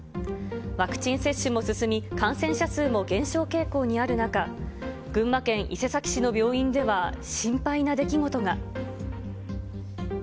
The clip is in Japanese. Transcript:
ワクチン接種も進み、感染者数も減少傾向にある中、群馬県伊勢崎市の病院では、心配な出来事が。